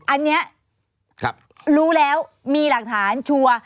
อันนี้รู้แล้วมีหลักฐานชัวร์